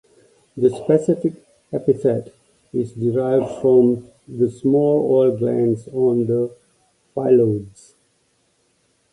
The specific epithet is derived from the small oil glands on the phyllodes.